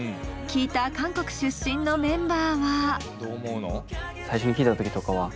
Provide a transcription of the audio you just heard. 聴いた韓国出身のメンバーは？